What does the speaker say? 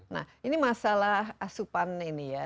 nah ini masalah asupan ini ya